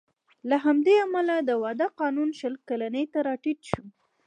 له همدې امله د واده قانون شل کلنۍ ته راټیټ شو